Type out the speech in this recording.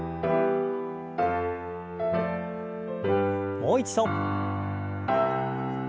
もう一度。